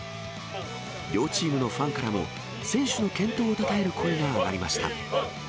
両チームのファンからも、選手の健闘をたたえる声が上がりました。